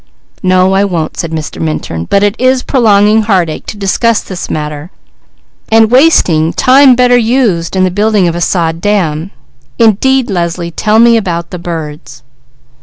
"No, I won't," said Mr. Minturn, "but it is prolonging heartache to discuss this matter, and wasting time better used in the building of a sod dam indeed Leslie, tell me about the birds."